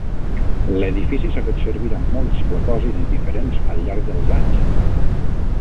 L'edifici s'ha fet servir amb molts propòsits diferents al llarg dels anys.